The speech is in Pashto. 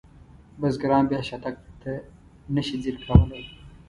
بزګران بیا شاتګ ته نشي ځیر کولی.